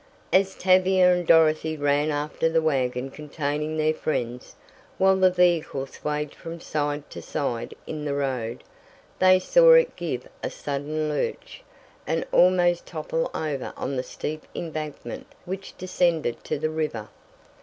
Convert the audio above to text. As Tavia and Dorothy ran after the wagon containing their friends, while the vehicle swayed from side to side in the road, they saw it give a sudden lurch, and almost topple over on the steep embankment which descended to the river.